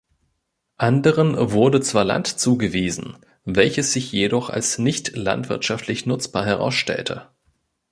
Anderen wurde zwar Land zugewiesen, welches sich jedoch als nicht landwirtschaftlich nutzbar herausstellte.